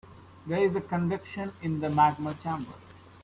There is convection in the magma chamber.